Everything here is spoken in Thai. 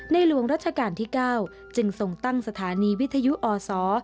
หลวงรัชกาลที่๙จึงส่งตั้งสถานีวิทยุอศ